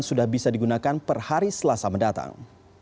sudah bisa digunakan per hari selasa mendatang